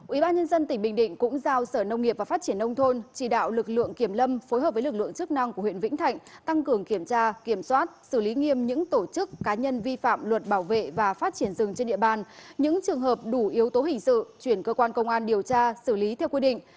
ubnd tỉnh bình định cũng giao sở nông nghiệp và phát triển nông thôn chỉ đạo lực lượng kiểm lâm phối hợp với lực lượng chức năng của huyện vĩnh thạnh tăng cường kiểm tra kiểm soát xử lý nghiêm những tổ chức cá nhân vi phạm luật bảo vệ và phát triển rừng trên địa bàn những trường hợp đủ yếu tố hình sự chuyển cơ quan công an điều tra xử lý theo quy định